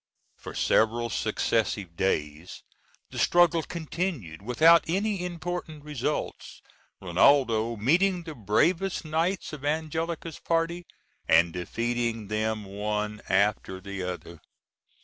For several successive days the struggle continued, without any important results, Rinaldo meeting the bravest knights of Angelica's party, and defeating them one after the other.